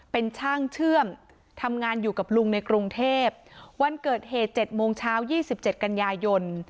เป็นช่างเชื่อมทำงานอยู่กับลุงในกรุงเทพวันเกิดเหตุ๗โมงเช้า๒๗กันยายน